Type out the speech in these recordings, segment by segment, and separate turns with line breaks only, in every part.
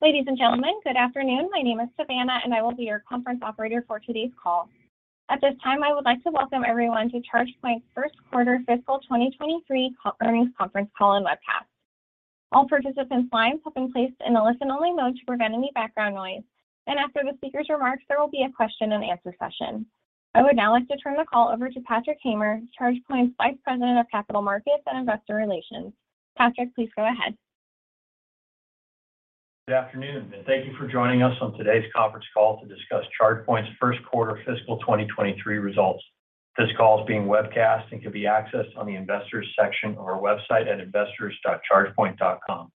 Ladies and gentlemen, good afternoon. My name is Savannah, and I will be your conference operator for today's call. At this time, I would like to welcome everyone to ChargePoint First Quarter Fiscal 2023 Earnings Conference Call and Webcast. All participants' lines have been placed in a listen only mode to prevent any background noise. After the speaker's remarks, there will be a question and answer session. I would now like to turn the call over to Patrick Hamer, ChargePoint's Vice President, Capital Markets and Investor Relations. Patrick, please go ahead.
Good afternoon, and thank you for joining us on today's conference call to discuss ChargePoint's First Quarter Fiscal 2023 Results. This call is being webcast and can be accessed on the investors section of our website at investors.chargepoint.com.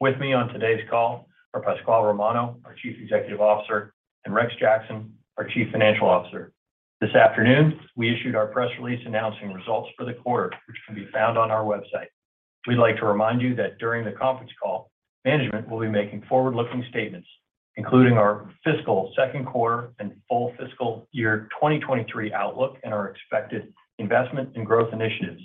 With me on today's call are Pasquale Romano, our Chief Executive Officer, and Rex Jackson, our Chief Financial Officer. This afternoon, we issued our press release announcing results for the quarter, which can be found on our website. We'd like to remind you that during the conference call, management will be making forward-looking statements, including our fiscal second quarter and full fiscal year 2023 outlook and our expected investment and growth initiatives.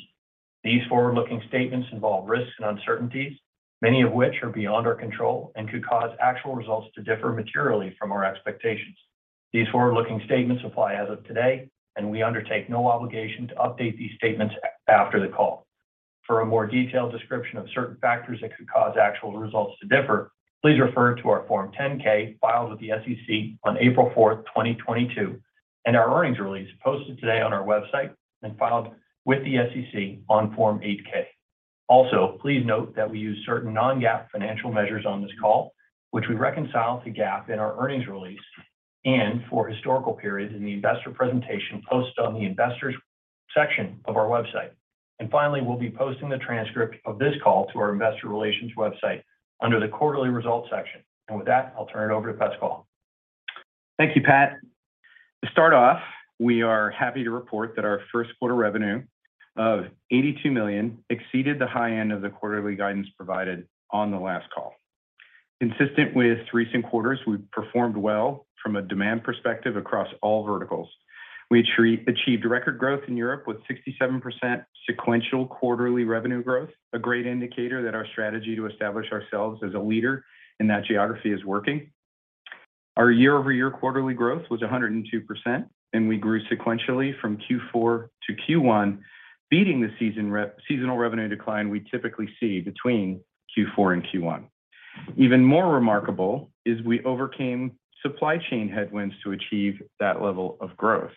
These forward-looking statements involve risks and uncertainties, many of which are beyond our control, and could cause actual results to differ materially from our expectations. These forward-looking statements apply as of today, and we undertake no obligation to update these statements after the call. For a more detailed description of certain factors that could cause actual results to differ, please refer to our Form 10-K filed with the SEC on April 4th, 2022, and our earnings release posted today on our website and filed with the SEC on Form 8-K. Also, please note that we use certain non-GAAP financial measures on this call, which we reconcile to GAAP in our earnings release and for historical periods in the investor presentation posted on the investors section of our website. Finally, we'll be posting the transcript of this call to our investor relations website under the Quarterly Results section. With that, I'll turn it over to Pasquale.
Thank you, Pat. To start off, we are happy to report that our first quarter revenue of $82 million exceeded the high end of the quarterly guidance provided on the last call. Consistent with recent quarters, we performed well from a demand perspective across all verticals. We achieved record growth in Europe with 67% sequential quarterly revenue growth, a great indicator that our strategy to establish ourselves as a leader in that geography is working. Our year-over-year quarterly growth was 102%, and we grew sequentially from Q4-Q1, beating the seasonal revenue decline we typically see between Q4 and Q1. Even more remarkable is we overcame supply chain headwinds to achieve that level of growth.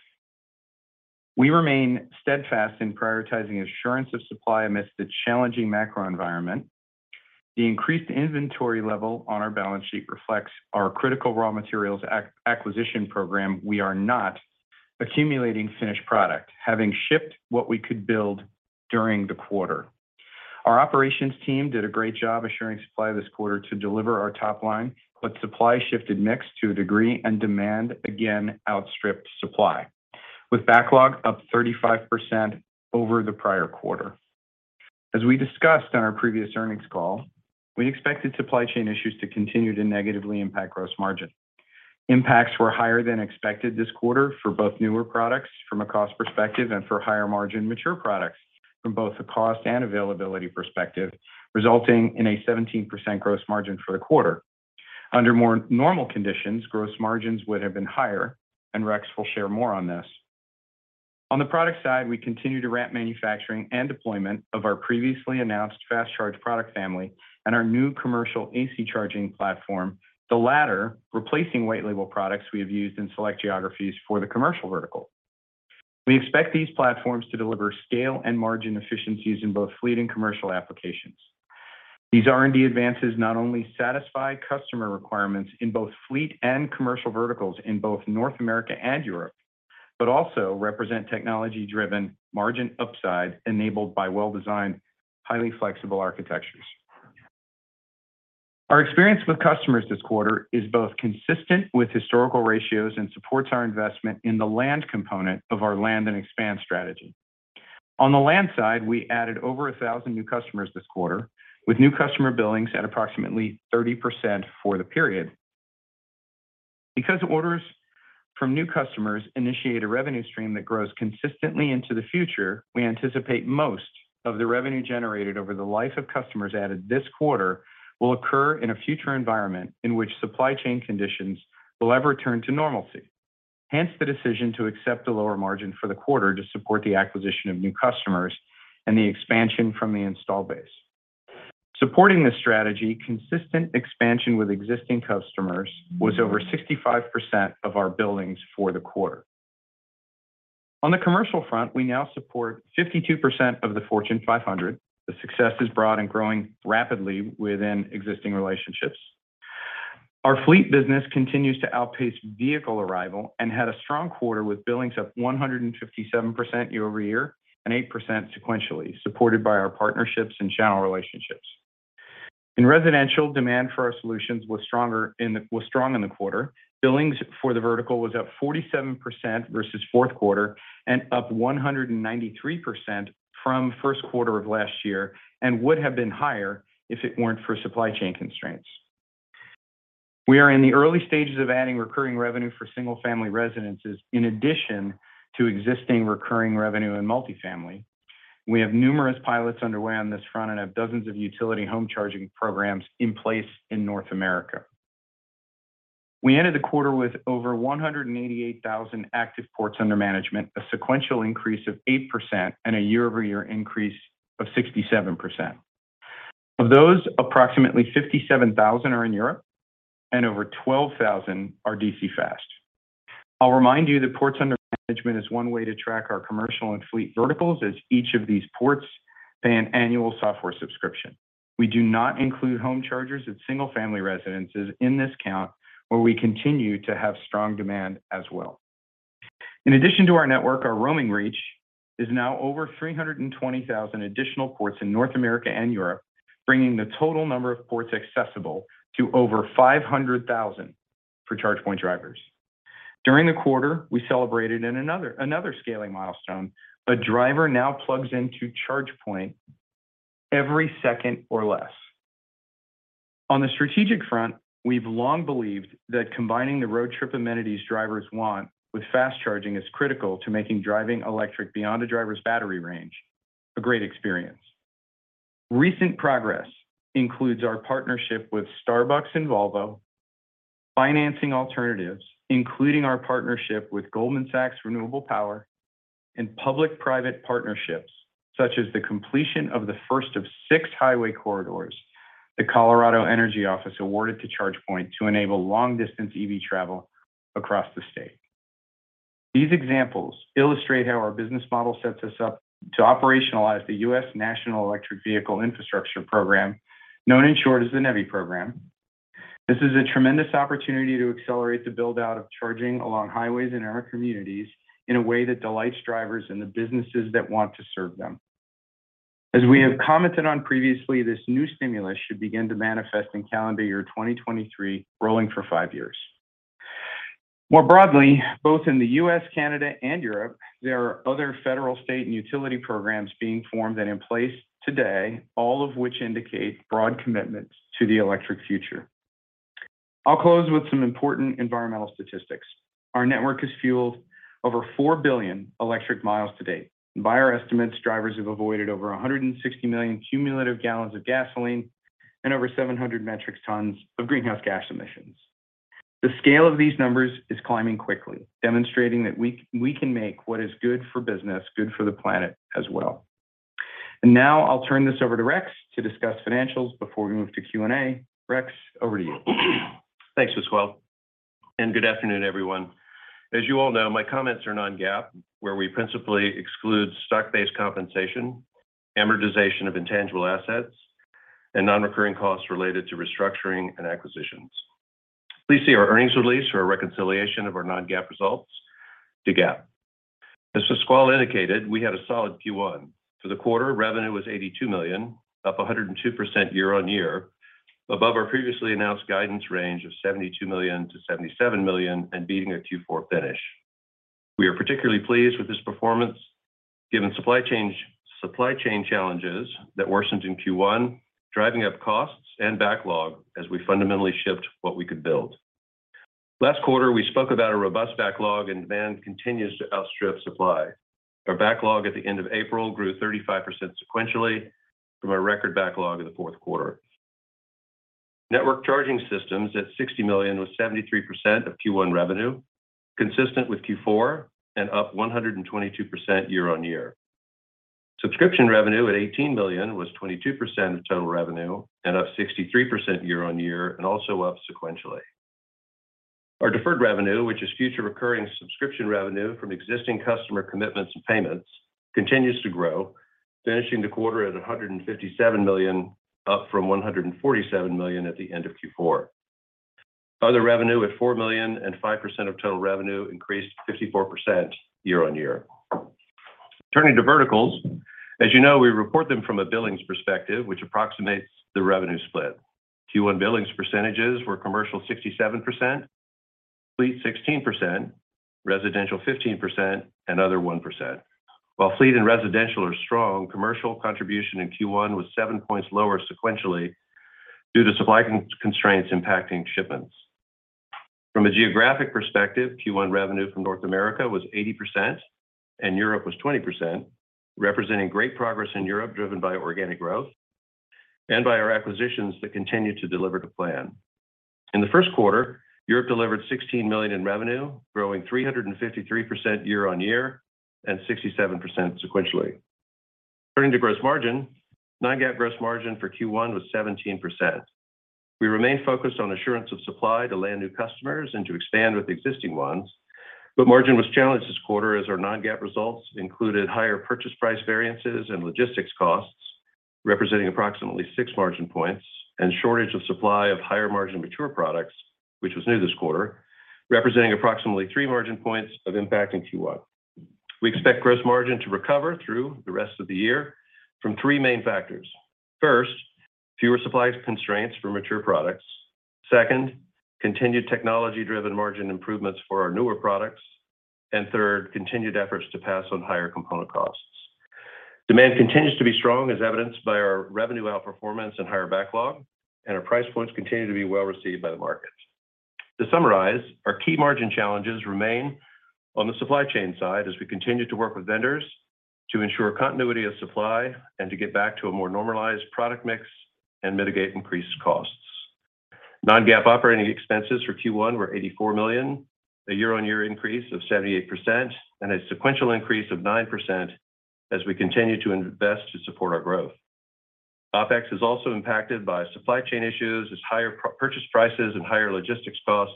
We remain steadfast in prioritizing assurance of supply amidst a challenging macro environment. The increased inventory level on our balance sheet reflects our critical raw materials acquisition program. We are not accumulating finished product, having shipped what we could build during the quarter. Our operations team did a great job assuring supply this quarter to deliver our top line, but supply shifted mix to a degree and demand again outstripped supply, with backlog up 35% over the prior quarter. As we discussed on our previous earnings call, we expected supply chain issues to continue to negatively impact gross margin. Impacts were higher than expected this quarter for both newer products from a cost perspective and for higher-margin mature products from both a cost and availability perspective, resulting in a 17% gross margin for the quarter. Under more normal conditions, gross margins would have been higher, and Rex will share more on this. On the product side, we continue to ramp manufacturing and deployment of our previously announced Fast Charge product family and our new commercial AC charging platform, the latter replacing white label products we have used in select geographies for the commercial vertical. We expect these platforms to deliver scale and margin efficiencies in both fleet and commercial applications. These R&D advances not only satisfy customer requirements in both fleet and commercial verticals in both North America and Europe, but also represent technology-driven margin upside enabled by well-designed, highly flexible architectures. Our experience with customers this quarter is both consistent with historical ratios and supports our investment in the land component of our land and expand strategy. On the land side, we added over 1,000 new customers this quarter, with new customer billings at approximately 30% for the period. Orders from new customers initiate a revenue stream that grows consistently into the future. We anticipate most of the revenue generated over the life of customers added this quarter will occur in a future environment in which supply chain conditions will have returned to normalcy. Hence the decision to accept a lower margin for the quarter to support the acquisition of new customers and the expansion from the install base. Supporting this strategy, consistent expansion with existing customers was over 65% of our billings for the quarter. On the commercial front, we now support 52% of the Fortune 500. The success is broad and growing rapidly within existing relationships. Our fleet business continues to outpace vehicle arrival and had a strong quarter with billings up 157% year-over-year and 8% sequentially, supported by our partnerships and channel relationships. In residential, demand for our solutions was strong in the quarter. Billings for the vertical was up 47% versus fourth quarter and up 193% from first quarter of last year and would have been higher if it weren't for supply chain constraints. We are in the early stages of adding recurring revenue for single-family residences in addition to existing recurring revenue in multifamily. We have numerous pilots underway on this front and have dozens of utility home charging programs in place in North America. We ended the quarter with over 188,000 active ports under management, a sequential increase of 8% and a year-over-year increase of 67%. Of those, approximately 57,000 are in Europe, and over 12,000 are DC fast. I'll remind you that ports under management is one way to track our commercial and fleet verticals, as each of these ports pay an annual software subscription. We do not include home chargers at single-family residences in this count, where we continue to have strong demand as well. In addition to our network, our roaming reach is now over 320,000 additional ports in North America and Europe, bringing the total number of ports accessible to over 500,000 for ChargePoint drivers. During the quarter, we celebrated another scaling milestone. A driver now plugs into ChargePoint every second or less. On the strategic front, we've long believed that combining the road trip amenities drivers want with fast charging is critical to making driving electric beyond a driver's battery range a great experience. Recent progress includes our partnership with Starbucks and Volvo, financing alternatives, including our partnership with Goldman Sachs Renewable Power, and public-private partnerships, such as the completion of the first of six highway corridors the Colorado Energy Office awarded to ChargePoint to enable long-distance EV travel across the state. These examples illustrate how our business model sets us up to operationalize the US National Electric Vehicle Infrastructure Program, known in short as the NEVI program. This is a tremendous opportunity to accelerate the build-out of charging along highways in our communities in a way that delights drivers and the businesses that want to serve them. As we have commented on previously, this new stimulus should begin to manifest in calendar year 2023, rolling for five years. More broadly, both in the U.S., Canada, and Europe, there are other federal, state, and utility programs being formed and in place today, all of which indicate broad commitments to the electric future. I'll close with some important environmental statistics. Our network has fueled over 4 billion electric miles to date. By our estimates, drivers have avoided over 160 million cumulative gallons of gasoline and over 700 metric tons of greenhouse gas emissions. The scale of these numbers is climbing quickly, demonstrating that we can make what is good for business, good for the planet as well. Now I'll turn this over to Rex to discuss financials before we move to Q&A. Rex, over to you.
Thanks, Pasquale, and good afternoon, everyone. As you all know, my comments are non-GAAP, where we principally exclude stock-based compensation, amortization of intangible assets, and non-recurring costs related to restructuring and acquisitions. Please see our earnings release for a reconciliation of our non-GAAP results to GAAP. As Pasquale indicated, we had a solid Q1. For the quarter, revenue was $82 million, up 102% year-on-year, above our previously announced guidance range of $72 million-$77 million and beating a Q4 finish. We are particularly pleased with this performance, given supply chain challenges that worsened in Q1, driving up costs and backlog as we fundamentally shipped what we could build. Last quarter, we spoke about a robust backlog, and demand continues to outstrip supply. Our backlog at the end of April grew 35% sequentially from our record backlog in the fourth quarter. Networked Charging Systems at $60 million was 73% of Q1 revenue, consistent with Q4 and up 122% year-on-year. Subscription revenue at $18 million was 22% of total revenue and up 63% year-on-year and also up sequentially. Our deferred revenue, which is future recurring subscription revenue from existing customer commitments and payments, continues to grow, finishing the quarter at $157 million, up from $147 million at the end of Q4. Other revenue at $4 million and 5% of total revenue increased 54% year-on-year. Turning to verticals, as you know, we report them from a billings perspective, which approximates the revenue split. Q1 billings percentages were commercial, 67%, fleet, 16%, residential, 15%, and other, 1%. While fleet and residential are strong, commercial contribution in Q1 was seven points lower sequentially due to supply constraints impacting shipments. From a geographic perspective, Q1 revenue from North America was 80% and Europe was 20%, representing great progress in Europe driven by organic growth and by our acquisitions that continue to deliver to plan. In the first quarter, Europe delivered $16 million in revenue, growing 353% year-over-year and 67% sequentially. Turning to gross margin, non-GAAP gross margin for Q1 was 17%. We remain focused on assurance of supply to land new customers and to expand with existing ones. Margin was challenged this quarter as our non-GAAP results included higher purchase price variances and logistics costs, representing approximately six margin points and shortage of supply of higher margin mature products, which was new this quarter, representing approximately three margin points of impact in Q1. We expect gross margin to recover through the rest of the year from three main factors. First, fewer supply constraints for mature products. Second, continued technology-driven margin improvements for our newer products. Third, continued efforts to pass on higher component costs. Demand continues to be strong, as evidenced by our revenue outperformance and higher backlog, and our price points continue to be well received by the market. To summarize, our key margin challenges remain on the supply chain side as we continue to work with vendors to ensure continuity of supply and to get back to a more normalized product mix and mitigate increased costs. Non-GAAP operating expenses for Q1 were $84 million, a year-on-year increase of 78% and a sequential increase of 9% as we continue to invest to support our growth. OpEx is also impacted by supply chain issues as higher purchase prices and higher logistics costs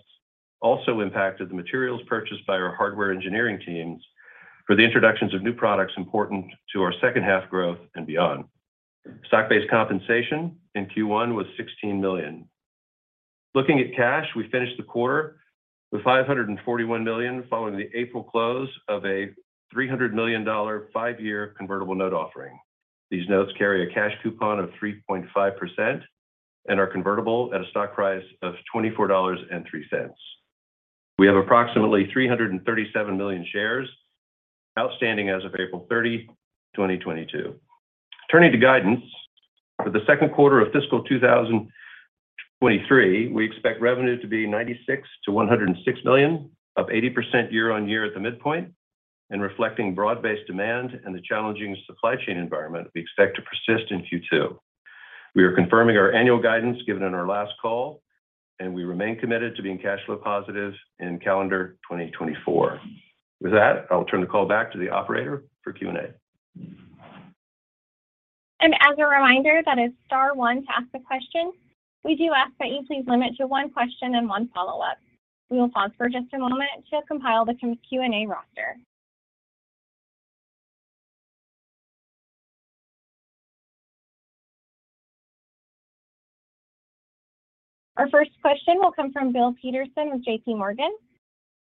also impacted the materials purchased by our hardware engineering teams for the introductions of new products important to our second half growth and beyond. Stock-based compensation in Q1 was $16 million. Looking at cash, we finished the quarter with $541 million following the April close of a $300 million five-year convertible note offering. These notes carry a cash coupon of 3.5% and are convertible at a stock price of $24.03. We have approximately 337 million shares outstanding as of April 30, 2022. Turning to guidance, for the second quarter of fiscal 2023, we expect revenue to be $96 million-$106 million, up 80% year-on-year at the midpoint, and reflecting broad-based demand and the challenging supply chain environment we expect to persist in Q2. We are confirming our annual guidance given in our last call, and we remain committed to being cash flow positive in calendar 2024. With that, I'll turn the call back to the operator for Q&A.
As a reminder, that is star one to ask a question. We do ask that you please limit to one question and one follow-up. We will pause for just a moment to compile the Q&A roster. Our first question will come from Bill Peterson with JPMorgan.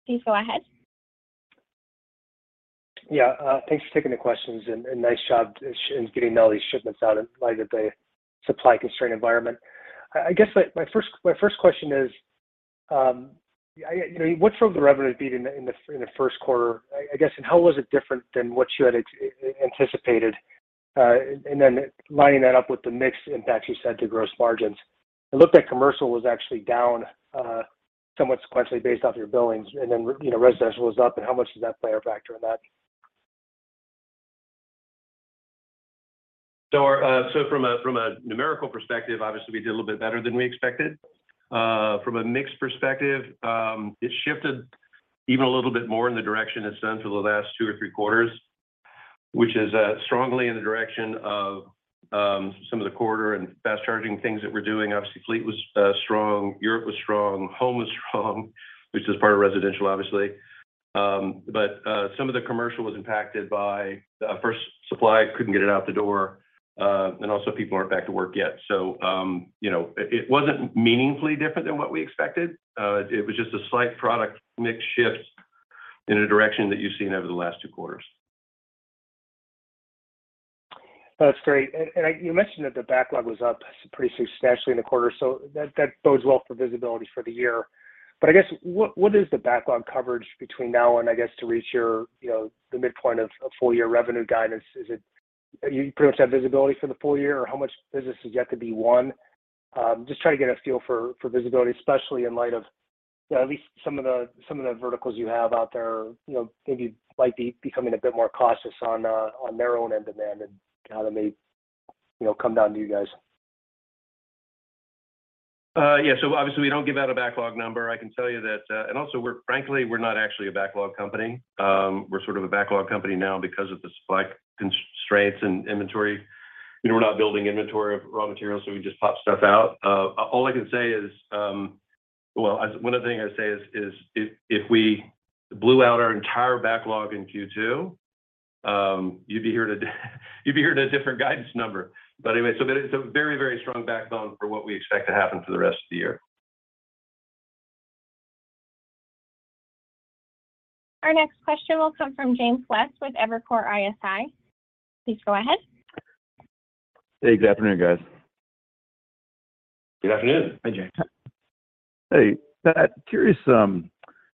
Please go ahead.
Thanks for taking the questions and nice job in getting all these shipments out in light of the supply constraint environment. I guess my first question is, you know, what drove the revenue beat in the first quarter? I guess, and how was it different than what you had anticipated? And then lining that up with the mix impact you said to gross margins. It looked like commercial was actually down somewhat sequentially based off your billings, and then, you know, residential was up, and how much does that play a factor in that?
From a numerical perspective, obviously we did a little bit better than we expected. From a mix perspective, it shifted even a little bit more in the direction it's done for the last two or three quarters, which is strongly in the direction of some of the AC and fast charging things that we're doing. Obviously, fleet was strong, Europe was strong, home was strong, which is part of residential obviously. Some of the commercial was impacted by first, supply couldn't get it out the door, and also people aren't back to work yet. You know, it wasn't meaningfully different than what we expected. It was just a slight product mix shift in a direction that you've seen over the last two quarters.
That's great. You mentioned that the backlog was up pretty substantially in the quarter, so that bodes well for visibility for the year. I guess what is the backlog coverage between now and I guess to reach your, you know, the midpoint of full year revenue guidance? Do you pretty much have visibility for the full year, or how much business is yet to be won? Just trying to get a feel for visibility, especially in light of, you know, at least some of the verticals you have out there, you know, maybe might be becoming a bit more cautious on their own end demand and how that may, you know, come down to you guys.
Obviously, we don't give out a backlog number. I can tell you that. Also, frankly, we're not actually a backlog company. We're sort of a backlog company now because of the supply constraints and inventory. You know, we're not building inventory of raw materials, so we just pop stuff out. All I can say is, well, one of the things I say is, if we blew out our entire backlog in Q2, you'd be hearing a different guidance number. Anyway, there is a very, very strong backbone for what we expect to happen for the rest of the year.
Our next question will come from James West with Evercore ISI. Please go ahead.
Thanks. Good afternoon, guys.
Good afternoon.
Hi, James.
Hey. Pat, curious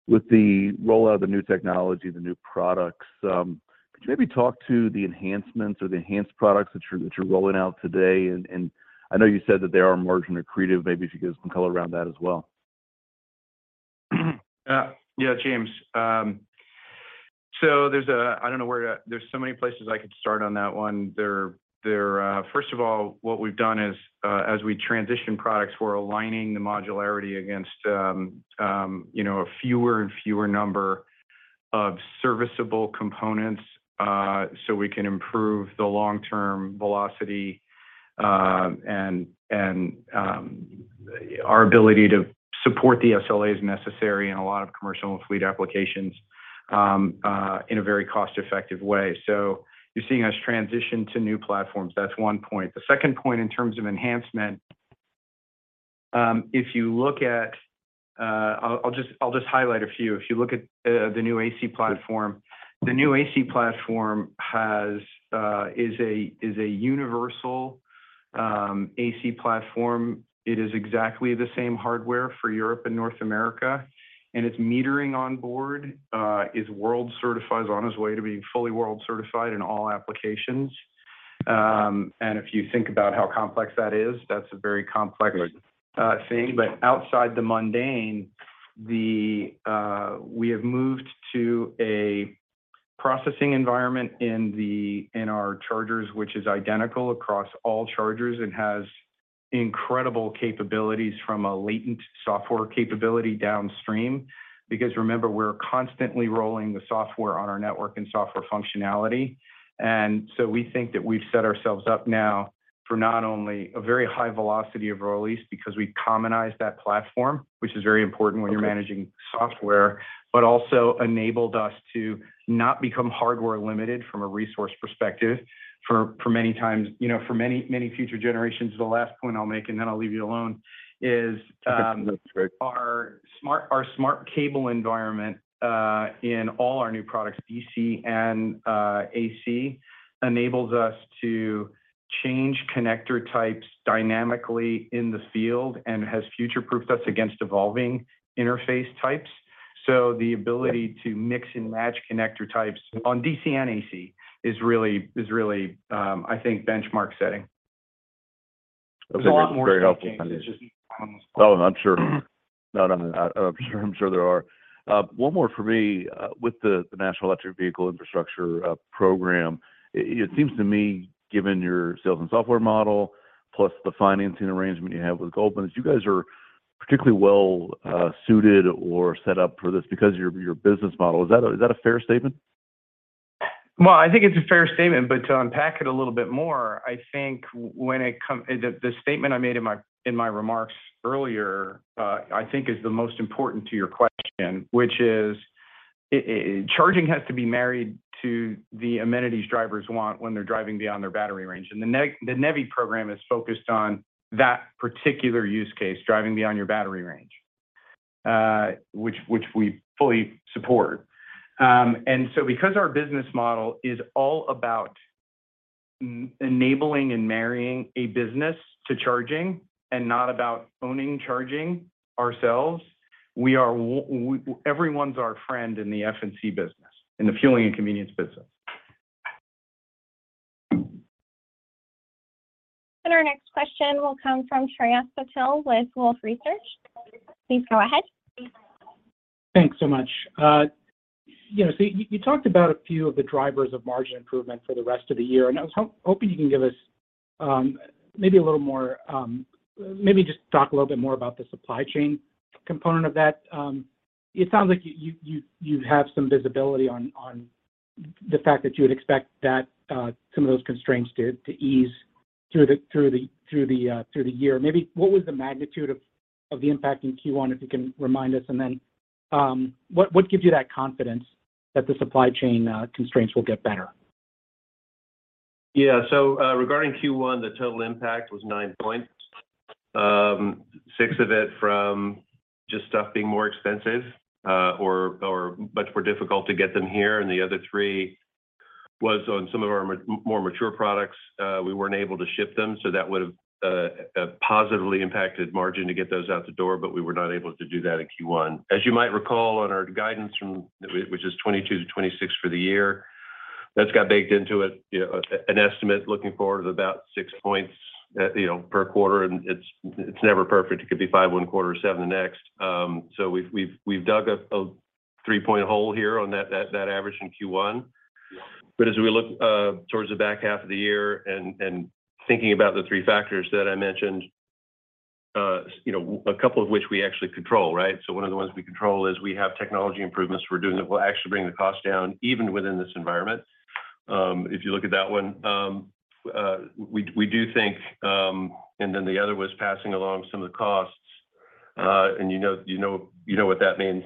with the rollout of the new technology, the new products, could you maybe talk to the enhancements or the enhanced products that you're rolling out today? I know you said that they are margin accretive. Maybe if you could give some color around that as well.
Yeah, James. So there's so many places I could start on that one. First of all, what we've done is, as we transition products, we're aligning the modularity against, you know, a fewer and fewer number of serviceable components, so we can improve the long-term velocity, and our ability to support the SLAs necessary in a lot of commercial and fleet applications, in a very cost-effective way. So you're seeing us transition to new platforms. That's one point. The second point in terms of enhancement, if you look at the new AC platform, it is a universal AC platform.It is exactly the same hardware for Europe and North America, and its metering onboard is world certified. It's on its way to being fully world certified in all applications. If you think about how complex that is, that's a very complex thing. Outside the mundane, we have moved to a processing environment in our chargers, which is identical across all chargers and has incredible capabilities from a latent software capability downstream. Because remember, we're constantly rolling the software on our network and software functionality. We think that we've set ourselves up now for not only a very high velocity of release because we've commonized that platform, which is very important when you're managing software, but also enabled us to not become hardware limited from a resource perspective for many times, you know, for many, many future generations. The last point I'll make, and then I'll leave you alone, is
Okay. That's great.
Our smart cable environment in all our new products, DC and AC, enables us to change connector types dynamically in the field and has future-proofed us against evolving interface types. The ability to mix and match connector types on DC and AC is really, I think, benchmark setting.
That's very, very helpful.
There's a lot more changes.
Oh, I'm sure. No, no, I'm sure there are. One more for me. With the National Electric Vehicle Infrastructure Program, it seems to me, given your sales and software model, plus the financing arrangement you have with Goldman, you guys are particularly well suited or set up for this because of your business model. Is that a fair statement?
Well, I think it's a fair statement, but to unpack it a little bit more, I think the statement I made in my remarks earlier, I think is the most important to your question, which is charging has to be married to the amenities drivers want when they're driving beyond their battery range. The NEVI program is focused on that particular use case, driving beyond your battery range, which we fully support. Because our business model is all about enabling and marrying a business to charging and not about owning charging ourselves, everyone's our friend in the F&C business, in the fueling and convenience business.
Our next question will come from Shreyas Patil with Wolfe Research. Please go ahead.
Thanks so much. You know, so you talked about a few of the drivers of margin improvement for the rest of the year, and I was hoping you can give us, maybe a little more, maybe just talk a little bit more about the supply chain component of that. It sounds like you have some visibility on the fact that you would expect that some of those constraints to ease through the year. Maybe what was the magnitude of the impact in Q1, if you can remind us? What gives you that confidence that the supply chain constraints will get better?
Yeah. Regarding Q1, the total impact was nine points. Six of it from just stuff being more expensive, or much more difficult to get them here, and the other three was on some of our more mature products. We weren't able to ship them, so that would have positively impacted margin to get those out the door, but we were not able to do that in Q1. As you might recall, on our guidance from, which is 2022-2026 for the year, that's got baked into it, you know, an estimate looking forward of about six points, you know, per quarter, and it's never perfect. It could be five one quarter, seven the next. We've dug a three-point hole here on that average in Q1. As we look towards the back half of the year and thinking about the three factors that I mentioned, you know, a couple of which we actually control, right? One of the ones we control is we have technology improvements we're doing that will actually bring the cost down even within this environment. If you look at that one, we do think, and then the other was passing along some of the costs, and you know what that means.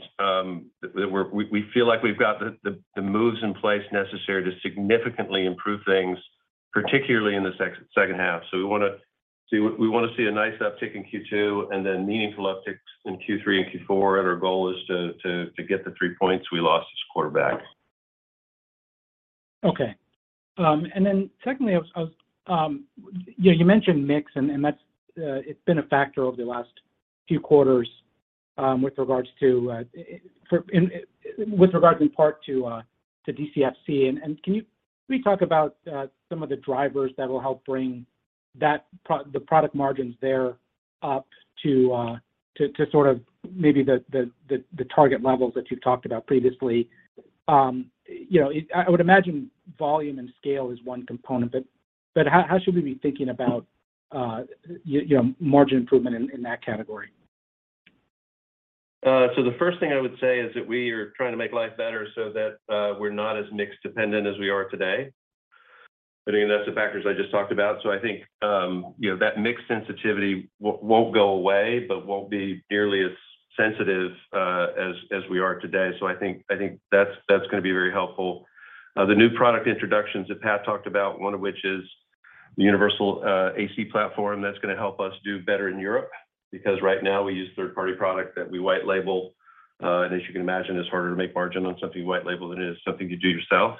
We feel like we've got the moves in place necessary to significantly improve things, particularly in the second half. We wanna see a nice uptick in Q2 and then meaningful upticks in Q3 and Q4, and our goal is to get the three points we lost this quarter back.
Okay. Secondly, I was, you know, you mentioned mix, and that's, it's been a factor over the last few quarters, with regards in part to DCFC. Can we talk about some of the drivers that will help bring the product margins there up to sort of maybe the target levels that you've talked about previously. You know, I would imagine volume and scale is one component, but how should we be thinking about you know, margin improvement in that category?
The first thing I would say is that we are trying to make life better so that we're not as mix dependent as we are today. I think that's the factors I just talked about. I think you know that mix sensitivity won't go away, but won't be nearly as sensitive as we are today. I think that's gonna be very helpful. The new product introductions that Pat talked about, one of which is the universal AC platform, that's gonna help us do better in Europe, because right now we use third-party product that we white label. As you can imagine, it's harder to make margin on something white label than it is something you do yourself.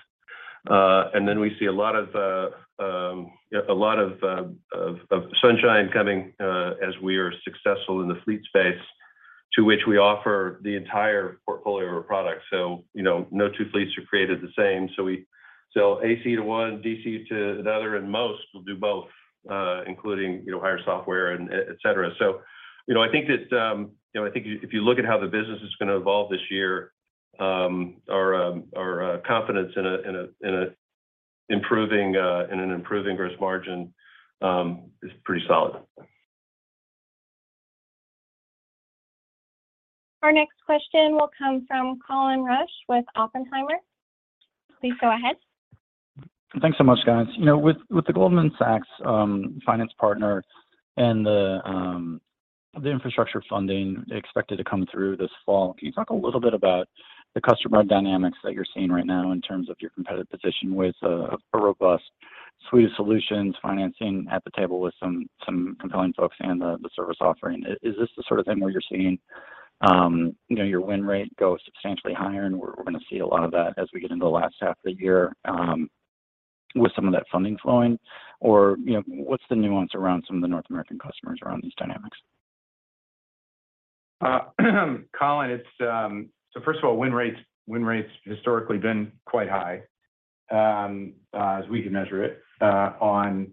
We see a lot of sunshine coming as we are successful in the fleet space to which we offer the entire portfolio of our products. You know, no two fleets are created the same. We sell AC to one, DC to another, and most will do both, including, you know, higher software and et cetera. You know, I think if you look at how the business is gonna evolve this year, our confidence in an improving gross margin is pretty solid.
Our next question will come from Colin Rusch with Oppenheimer. Please go ahead.
Thanks so much, guys. You know, with the Goldman Sachs finance partner and the infrastructure funding expected to come through this fall, can you talk a little bit about the customer dynamics that you're seeing right now in terms of your competitive position with a robust suite of solutions, financing at the table with some compelling folks and the service offering? Is this the sort of thing where you're seeing, you know, your win rate go substantially higher, and we're gonna see a lot of that as we get into the last half of the year, with some of that funding flowing? Or, you know, what's the nuance around some of the North American customers around these dynamics?
Colin, it's first of all, win rates historically been quite high, as we can measure it, on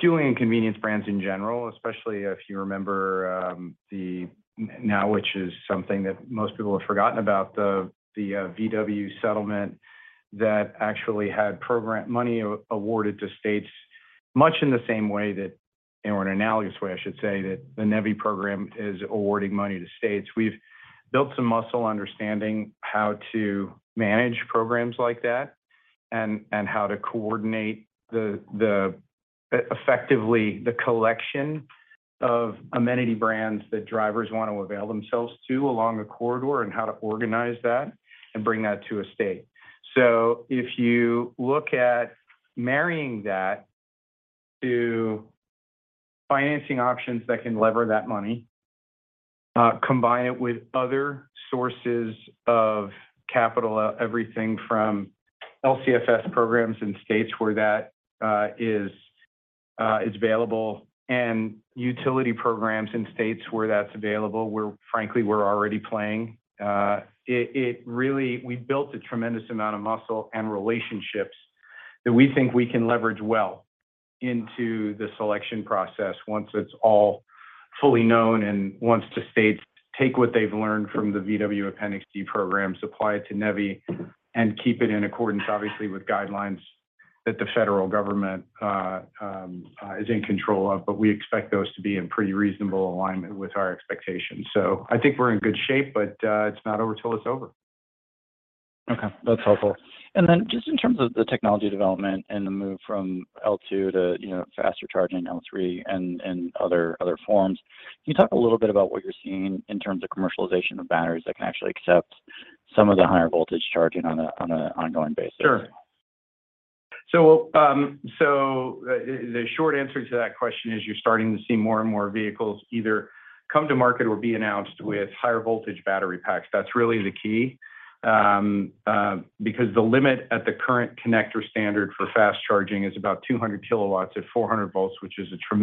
fueling and convenience brands in general, especially if you remember, now which is something that most people have forgotten about, the VW settlement that actually had program money awarded to states much in the same way that, in an analogous way, I should say, that the NEVI program is awarding money to states. We've built some muscle understanding how to manage programs like that and how to coordinate the effectively the collection of amenity brands that drivers want to avail themselves to along a corridor and how to organize that and bring that to a state. If you look at marrying that to financing options that can leverage that money, combine it with other sources of capital, everything from LCFS programs in states where that is available and utility programs in states where that's available, where frankly, we're already playing. We built a tremendous amount of muscle and relationships that we think we can leverage well into the selection process once it's all fully known and once the states take what they've learned from the VW Appendix D programs, apply it to NEVI, and keep it in accordance, obviously, with guidelines that the federal government is in control of. We expect those to be in pretty reasonable alignment with our expectations. I think we're in good shape, but it's not over till it's over.
Okay, that's helpful. Just in terms of the technology development and the move from L2 to, you know, faster charging L3 and other forms, can you talk a little bit about what you're seeing in terms of commercialization of batteries that can actually accept some of the higher voltage charging on an ongoing basis?
Sure. The short answer to that question is you're starting to see more and more vehicles either come to market or be announced with higher voltage battery packs. That's really the key, because the limit at the current connector standard for fast charging is about 200 kW at 400 volts, which is a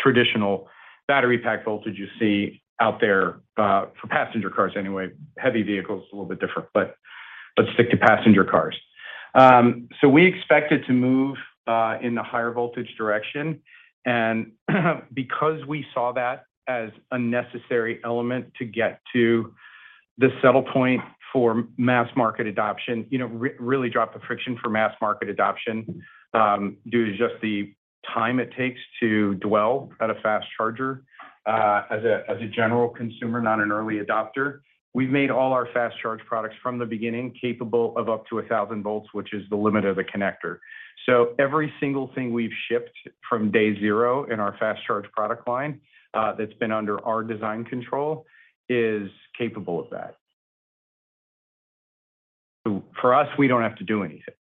traditional battery pack voltage you see out there, for passenger cars anyway. Heavy vehicles, a little bit different, but let's stick to passenger cars. We expected to move in the higher voltage direction and because we saw that as a necessary element to get to the settle point for mass market adoption, you know, really drop the friction for mass market adoption, due to just the time it takes to dwell at a fast charger, as a general consumer, not an early adopter. We've made all our fast charge products from the beginning capable of up to 1,000 volts, which is the limit of the connector. Every single thing we've shipped from day zero in our fast charge product line, that's been under our design control is capable of that. For us, we don't have to do anything.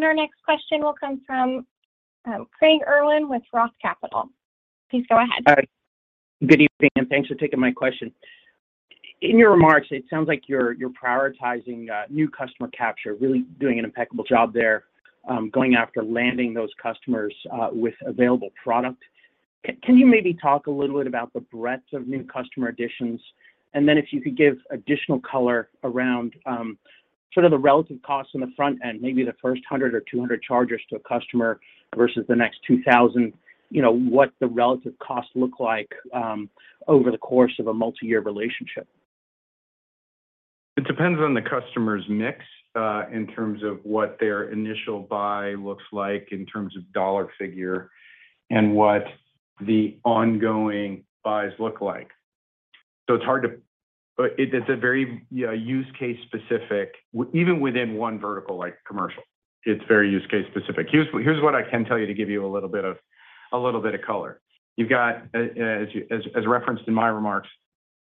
Our next question will come from Craig Irwin with Roth Capital. Please go ahead.
Hi. Good evening, and thanks for taking my question. In your remarks, it sounds like you're prioritizing new customer capture, really doing an impeccable job there, going after landing those customers with available product. Can you maybe talk a little bit about the breadth of new customer additions? And then if you could give additional color around sort of the relative costs on the front end, maybe the first 100 or 200 chargers to a customer versus the next 2,000, you know, what the relative costs look like over the course of a multi-year relationship.
It depends on the customer's mix, in terms of what their initial buy looks like in terms of dollar figure and what the ongoing buys look like. It is a very yeah use case specific. Even within one vertical like commercial, it is very use case specific. Here's what I can tell you to give you a little bit of color. You've got, as referenced in my remarks,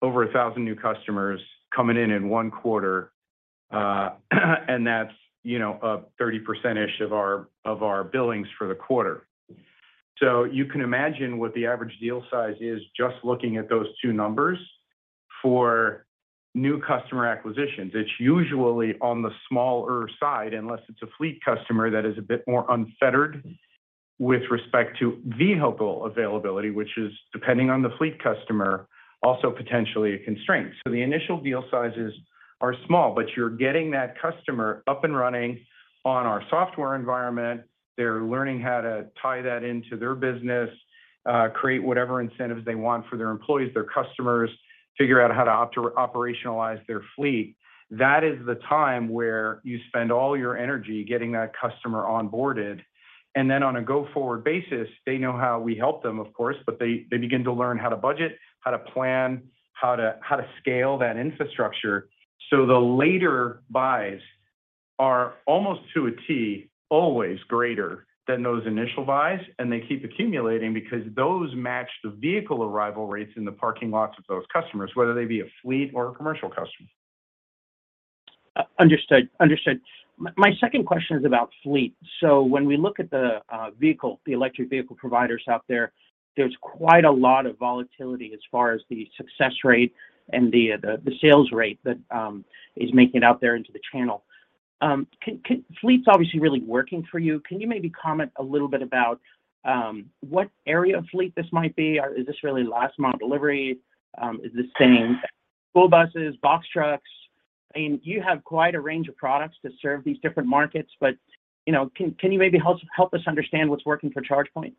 over 1,000 new customers coming in in one quarter, and that's, you know, 30%-ish of our billings for the quarter. You can imagine what the average deal size is just looking at those two numbers. For new customer acquisitions, it's usually on the smaller side, unless it's a fleet customer that is a bit more unfettered with respect to vehicle availability, which is depending on the fleet customer, also potentially a constraint. The initial deal sizes are small, but you're getting that customer up and running on our software environment. They're learning how to tie that into their business, create whatever incentives they want for their employees, their customers, figure out how to operationalize their fleet. That is the time where you spend all your energy getting that customer onboarded. Then on a go-forward basis, they know how we help them, of course, but they begin to learn how to budget, how to plan, how to scale that infrastructure. The later buys are almost to a T always greater than those initial buys, and they keep accumulating because those match the vehicle arrival rates in the parking lots of those customers, whether they be a fleet or a commercial customer.
Understood. My second question is about fleet. When we look at the vehicle, the electric vehicle providers out there's quite a lot of volatility as far as the success rate and the sales rate that is making it out there into the channel. Fleet's obviously really working for you. Can you maybe comment a little bit about what area of fleet this might be? Or is this really last mile delivery? Is this saying school buses, box trucks? I mean, you have quite a range of products to serve these different markets, but you know, can you maybe help us understand what's working for ChargePoint?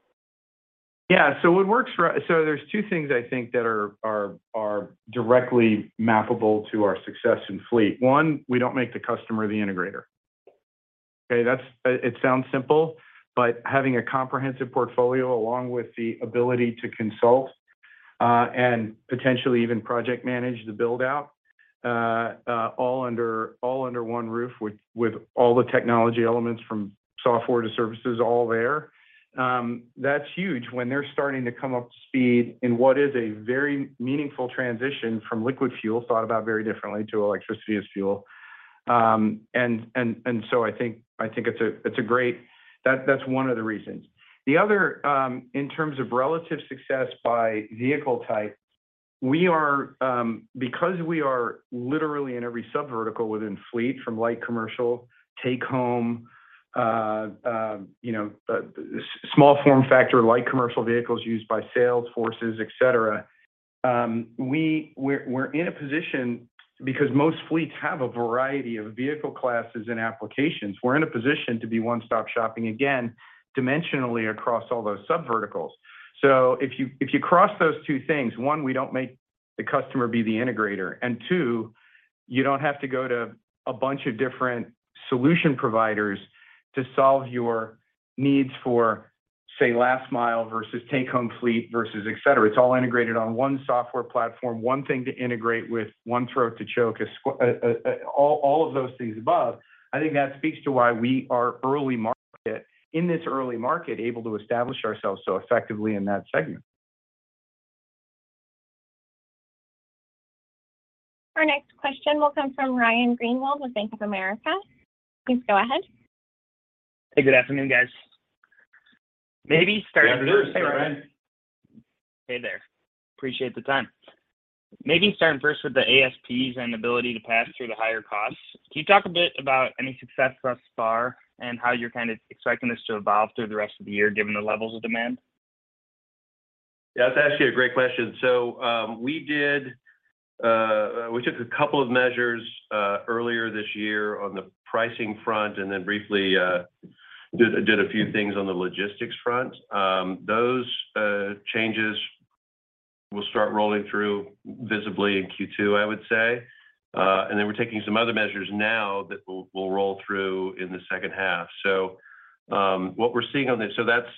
There's two things I think that are directly mappable to our success in fleet. One, we don't make the customer the integrator. Okay, that's it sounds simple, but having a comprehensive portfolio along with the ability to consult and potentially even project manage the build-out, all under one roof with all the technology elements from software to services all there, that's huge when they're starting to come up to speed in what is a very meaningful transition from liquid fuel, thought about very differently, to electricity as fuel. I think it's a great. That's one of the reasons. The other, in terms of relative success by vehicle type, we are, because we are literally in every sub-vertical within fleet from light commercial, take home, you know, small form factor, light commercial vehicles used by sales forces, et cetera, we're in a position because most fleets have a variety of vehicle classes and applications. We're in a position to be one-stop shopping, again, dimensionally across all those sub-verticals. So if you cross those two things, one, we don't make the customer be the integrator. Two, you don't have to go to a bunch of different solution providers to solve your needs for, say, last mile versus take-home fleet versus et cetera. It's all integrated on one software platform, one thing to integrate with, one throat to choke, all of those things above. I think that speaks to why we are in this early market, able to establish ourselves so effectively in that segment.
Our next question will come from Ryan Greenwald with Bank of America. Please go ahead.
Hey, good afternoon, guys.
Afternoon, Ryan.
Hey there. Appreciate the time. Maybe starting first with the ASPs and ability to pass through the higher costs. Can you talk a bit about any success thus far and how you're kind of expecting this to evolve through the rest of the year, given the levels of demand?
Yeah, that's actually a great question. We took a couple of measures earlier this year on the pricing front and then briefly did a few things on the logistics front. Those changes will start rolling through visibly in Q2, I would say. We're taking some other measures now that will roll through in the second half. That's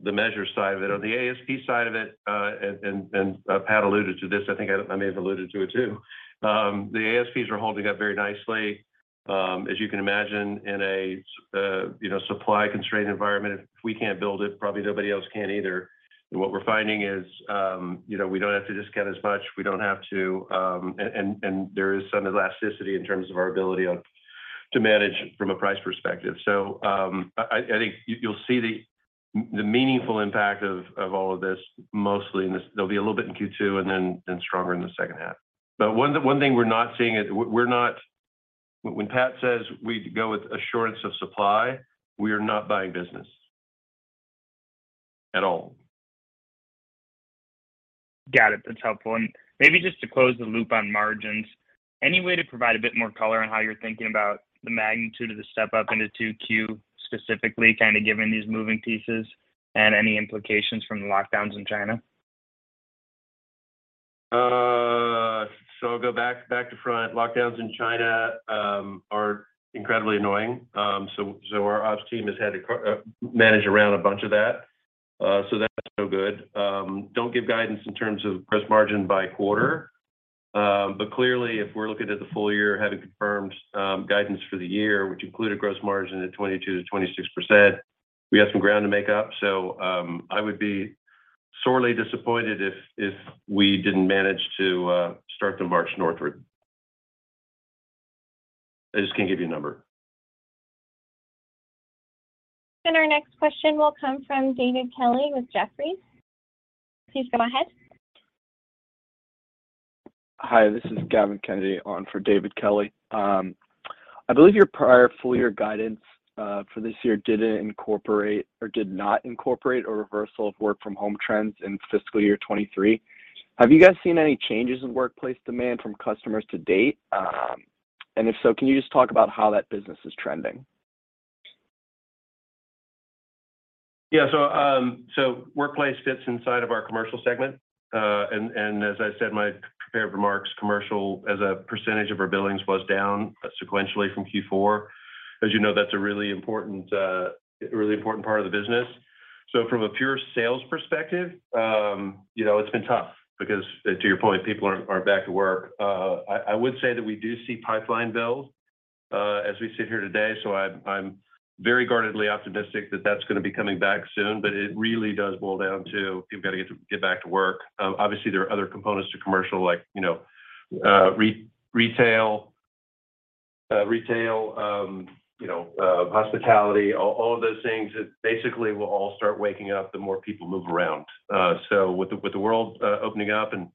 the measure side of it. On the ASP side of it, and Pat alluded to this, I think I may have alluded to it too. The ASPs are holding up very nicely. As you can imagine, in a you know, supply constrained environment, if we can't build it, probably nobody else can either. What we're finding is, you know, we don't have to discount as much. We don't have to. There is some elasticity in terms of our ability to manage from a price perspective. I think you'll see the meaningful impact of all of this mostly in this. There'll be a little bit in Q2 and then stronger in the second half. One thing we're not seeing is, when Pat says we go with assurance of supply, we are not buying business at all.
Got it. That's helpful. Maybe just to close the loop on margins, any way to provide a bit more color on how you're thinking about the magnitude of the step up into 2Q, specifically kind of given these moving pieces and any implications from the lockdowns in China?
Go back to front. Lockdowns in China are incredibly annoying. Our ops team has had to manage around a bunch of that, so that's no good. Don't give guidance in terms of gross margin by quarter. Clearly, if we're looking at the full year, having confirmed guidance for the year, which included gross margin at 22%-26%, we got some ground to make up. I would be sorely disappointed if we didn't manage to start to march northward. I just can't give you a number.
Our next question will come from David Kelley with Jefferies. Please go ahead.
Hi, this is Gavin Kennedy on for David Kelley. I believe your prior full year guidance for this year didn't incorporate or did not incorporate a reversal of work from home trends in fiscal year 2023. Have you guys seen any changes in workplace demand from customers to date? If so, can you just talk about how that business is trending?
Yeah. Workplace fits inside of our commercial segment. As I said in my prepared remarks, commercial as a percentage of our billings was down sequentially from Q4. As you know, that's a really important part of the business. From a pure sales perspective, you know, it's been tough because to your point, people aren't back at work. I would say that we do see pipeline build as we sit here today, so I'm very guardedly optimistic that that's gonna be coming back soon. It really does boil down to people gotta get back to work. Obviously there are other components to commercial like, you know, retail, you know, hospitality, all of those things that basically will all start waking up the more people move around. With the world opening up and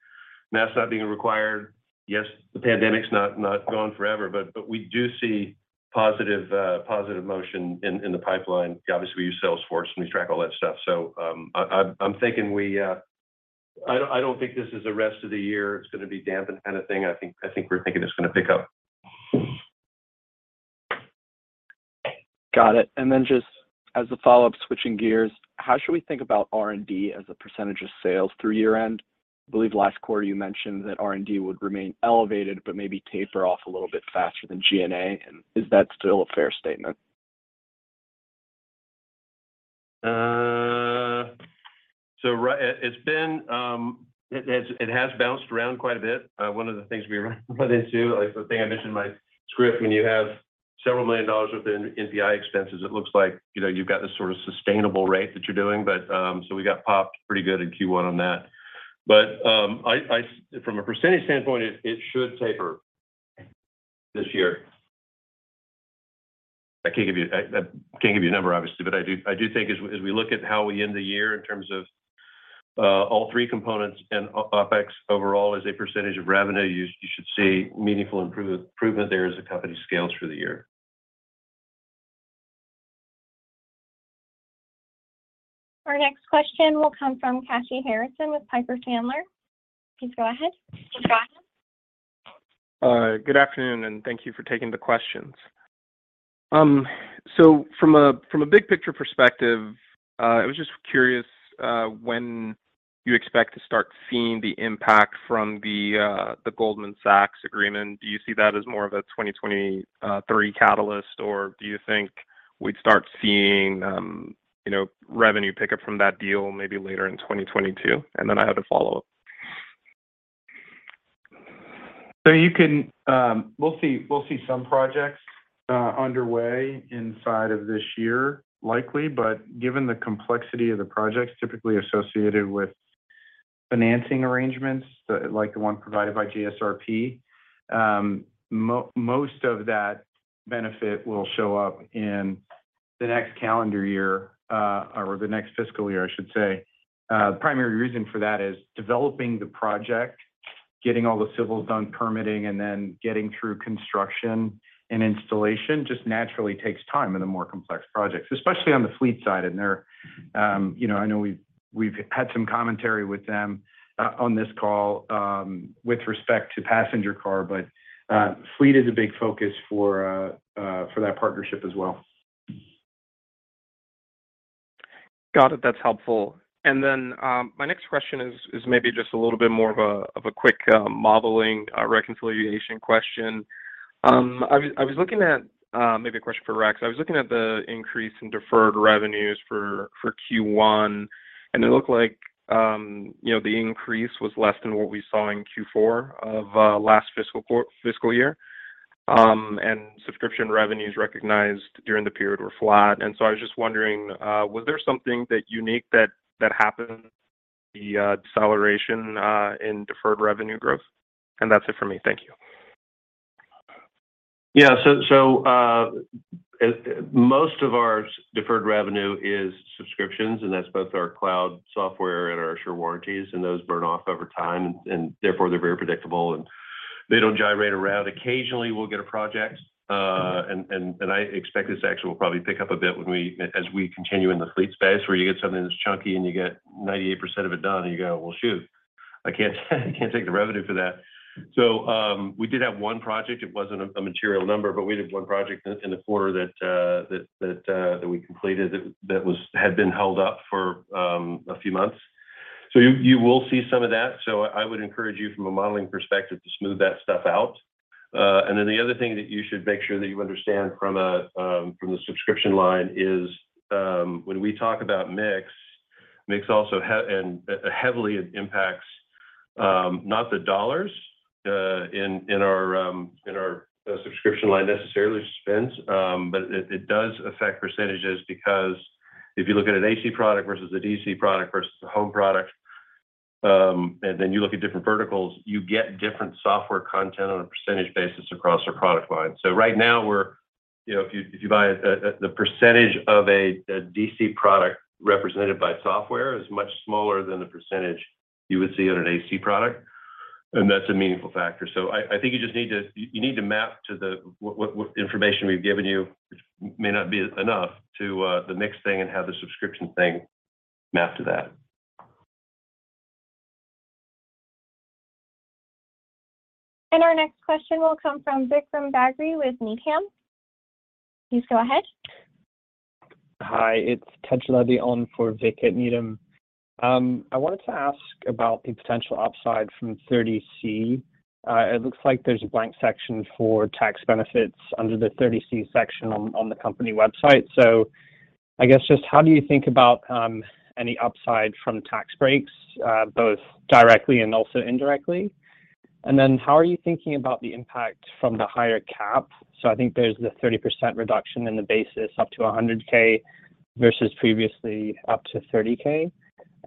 masks not being required. Yes, the pandemic's not gone forever, but we do see positive motion in the pipeline. Obviously we use Salesforce, and we track all that stuff. I'm thinking we. I don't think this is the rest of the year it's gonna be dampened kind of thing. I think we're thinking it's gonna pick up.
Got it. Just as a follow-up, switching gears, how should we think about R&D as a percentage of sales through year-end? I believe last quarter you mentioned that R&D would remain elevated but maybe taper off a little bit faster than G&A. Is that still a fair statement?
It has bounced around quite a bit. One of the things we run into, like the thing I mentioned in my script, when you have several million dollars worth of NPI expenses, it looks like, you know, you've got this sort of sustainable rate that you're doing. From a percentage standpoint, it should taper this year. I can't give you a number obviously, but I do think as we look at how we end the year in terms of all three components and OpEx overall as a percentage of revenue, you should see meaningful improvement there as the company scales through the year.
Our next question will come from Kashy Harrison with Piper Sandler. Please go ahead.
Good afternoon, and thank you for taking the questions. From a big picture perspective, I was just curious when you expect to start seeing the impact from the Goldman Sachs agreement. Do you see that as more of a 2023 catalyst, or do you think we'd start seeing you know, revenue pick up from that deal maybe later in 2022? I have a follow-up.
You can. We'll see some projects underway inside of this year, likely. Given the complexity of the projects typically associated with financing arrangements like the one provided by GSRP, most of that benefit will show up in the next calendar year, or the next fiscal year, I should say. The primary reason for that is developing the project, getting all the civils done, permitting, and then getting through construction and installation just naturally takes time in the more complex projects, especially on the fleet side. They're, you know, I know we've had some commentary with them on this call, with respect to passenger car, but fleet is a big focus for that partnership as well.
Got it. That's helpful. My next question is maybe just a little bit more of a quick modeling reconciliation question. Maybe a question for Rex. I was looking at the increase in deferred revenues for Q1, and it looked like, you know, the increase was less than what we saw in Q4 of last fiscal year. Subscription revenues recognized during the period were flat. I was just wondering, was there something that unique that happened, the deceleration in deferred revenue growth? That's it for me. Thank you.
Yeah. Most of our deferred revenue is subscriptions, and that's both our cloud software and our Assure warranties, and those burn off over time, and therefore they're very predictable, and they don't gyrate around. Occasionally we'll get a project, and I expect this actually will probably pick up a bit as we continue in the fleet space where you get something that's chunky and you get 98% of it done, and you go, "Well, shoot, I can't take the revenue for that." We did have one project. It wasn't a material number, but we did have one project in the quarter that we completed that was had been held up for a few months. You will see some of that. I would encourage you from a modeling perspective to smooth that stuff out. The other thing that you should make sure that you understand from a from the subscription line is when we talk about mix also heavily impacts not the dollars in our subscription line necessarily spends. It does affect percentages because if you look at an AC product versus a DC product versus a home product. You look at different verticals, you get different software content on a percentage basis across our product line. Right now we're, you know, if you buy the percentage of a DC product represented by software is much smaller than the percentage you would see on an AC product, and that's a meaningful factor. I think you just need to map to the what information we've given you, which may not be enough to the mix thing and how the subscription thing map to that.
Our next question will come from Vikram Bagri with Needham. Please go ahead.
Hi, it's [inaudible] Tej Labbe on for Vik at Needham. I wanted to ask about the potential upside from 30C. It looks like there's a blank section for tax benefits under the 30C section on the company website. I guess just how do you think about any upside from tax breaks both directly and also indirectly? Then how are you thinking about the impact from the higher cap? I think there's the 30% reduction in the basis up to $100,000 versus previously up to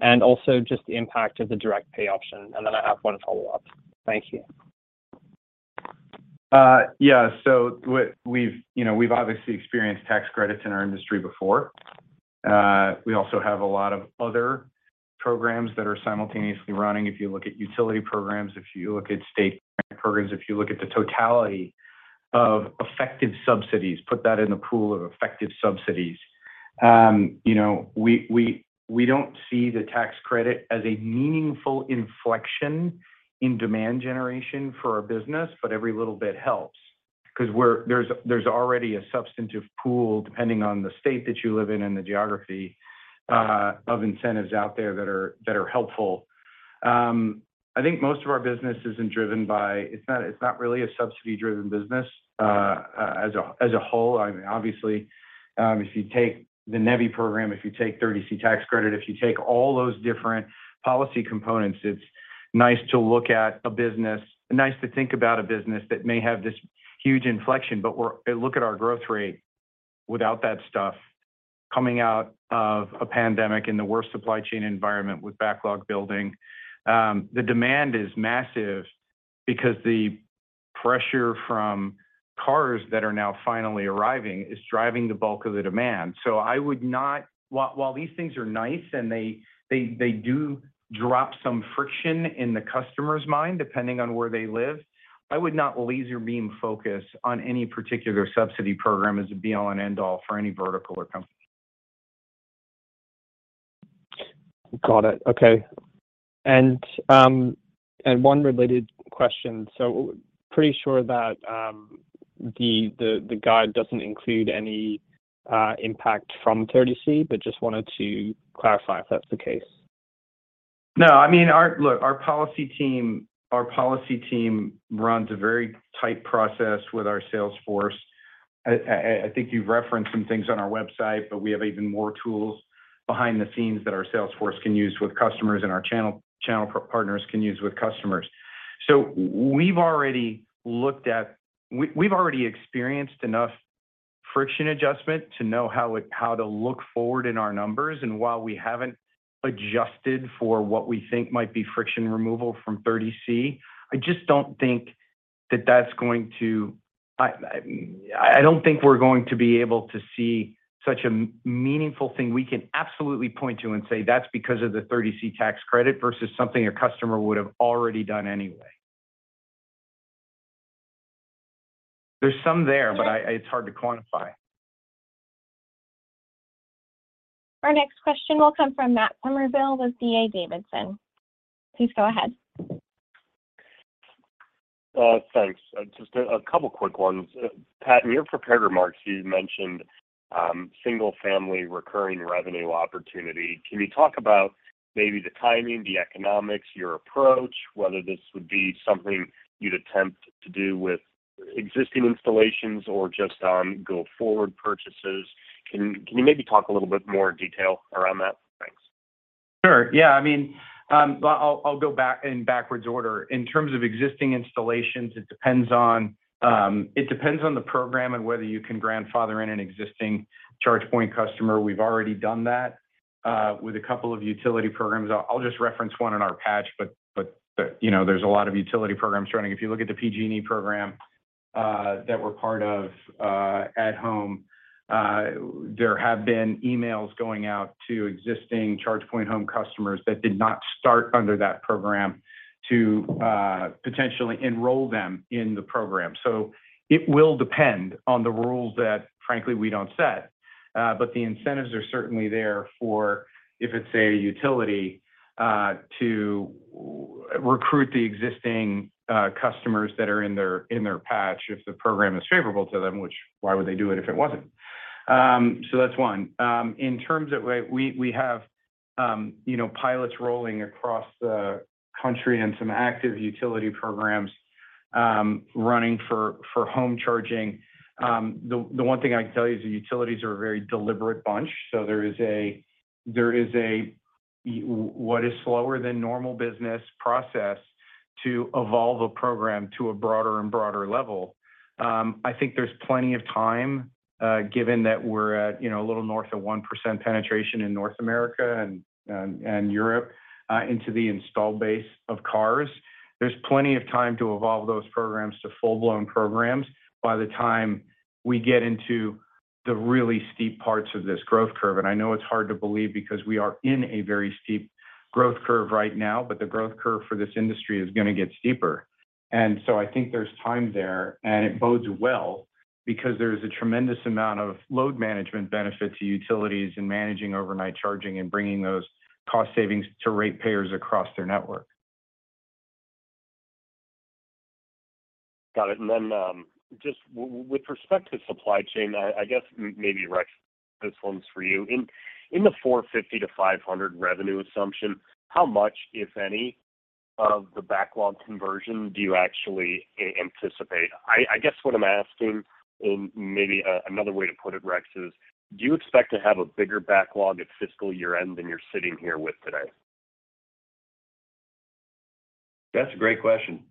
$30,000. Also just the impact of the direct pay option. Then I have one follow-up. Thank you.
Yeah. We've, you know, we've obviously experienced tax credits in our industry before. We also have a lot of other programs that are simultaneously running. If you look at utility programs, if you look at state grant programs, if you look at the totality of effective subsidies, put that in the pool of effective subsidies. You know, we don't see the tax credit as a meaningful inflection in demand generation for our business, but every little bit helps because there's already a substantive pool depending on the state that you live in and the geography of incentives out there that are helpful. I think most of our business isn't driven by. It's not really a subsidy-driven business as a whole. I mean, obviously, if you take the NEVI program, if you take 30C tax credit, if you take all those different policy components, it's nice to look at a business. Nice to think about a business that may have this huge inflection. Look at our growth rate without that stuff coming out of a pandemic in the worst supply chain environment with backlog building. The demand is massive because the pressure from cars that are now finally arriving is driving the bulk of the demand. While these things are nice and they do drop some friction in the customer's mind, depending on where they live, I would not laser beam focus on any particular subsidy program as a be-all and end-all for any vertical or company.
Got it. Okay. One related question. Pretty sure that the guide doesn't include any impact from 30C, but just wanted to clarify if that's the case.
No, I mean, look, our policy team runs a very tight process with our sales force. I think you've referenced some things on our website, but we have even more tools behind the scenes that our sales force can use with customers and our channel partners can use with customers. We've already experienced enough friction adjustment to know how to look forward in our numbers. While we haven't adjusted for what we think might be friction removal from 30C, I just don't think we're going to be able to see such a meaningful thing we can absolutely point to and say, "That's because of the 30C tax credit," versus something a customer would have already done anyway. There's some there, but I. It's hard to quantify.
Our next question will come from Matt Summerville with D.A. Davidson. Please go ahead.
Thanks. Just a couple quick ones. Pat, in your prepared remarks you mentioned single family recurring revenue opportunity. Can you talk about maybe the timing, the economics, your approach, whether this would be something you'd attempt to do with existing installations or just on go forward purchases? Can you maybe talk a little bit more detail around that? Thanks.
Sure. Yeah. I mean, I'll go back in backwards order. In terms of existing installations, it depends on the program and whether you can grandfather in an existing ChargePoint customer. We've already done that with a couple of utility programs. I'll just reference one in our patch, but you know, there's a lot of utility programs running. If you look at the PG&E program that we're part of at home, there have been emails going out to existing ChargePoint home customers that did not start under that program to potentially enroll them in the program. It will depend on the rules that frankly, we don't set. The incentives are certainly there for, if it's a utility, to recruit the existing customers that are in their patch if the program is favorable to them, which why would they do it if it wasn't? So that's one. In terms of we have you know pilots rolling across the country and some active utility programs running for home charging. The one thing I can tell you is the utilities are a very deliberate bunch, so there is a what is slower than normal business process to evolve a program to a broader and broader level. I think there's plenty of time given that we're at you know a little north of 1% penetration in North America and Europe into the installed base of cars. There's plenty of time to evolve those programs to full-blown programs by the time we get into the really steep parts of this growth curve. I know it's hard to believe because we are in a very steep growth curve right now, but the growth curve for this industry is gonna get steeper. I think there's time there, and it bodes well because there's a tremendous amount of load management benefit to utilities in managing overnight charging and bringing those cost savings to ratepayers across their network.
Got it. Just with respect to supply chain, I guess maybe, Rex, this one's for you. In the $450-$500 revenue assumption, how much, if any, of the backlog conversion do you actually anticipate? I guess what I'm asking, and maybe, another way to put it, Rex, is do you expect to have a bigger backlog at fiscal year-end than you're sitting here with today?
That's a great question.